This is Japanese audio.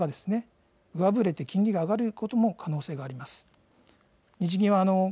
さらに今後、物価が上振れて金利が上がることも可能性があります。